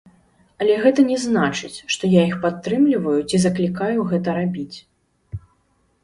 Але гэта не значыць, што я іх падтрымліваю ці заклікаю гэта рабіць.